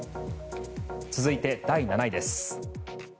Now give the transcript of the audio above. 続いて第７位です。